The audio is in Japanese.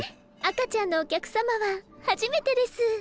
赤ちゃんのお客様は初めてです。